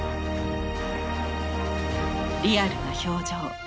リアルな表情。